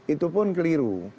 itu pun keliru